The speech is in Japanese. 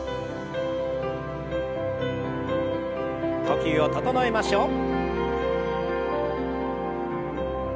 呼吸を整えましょう。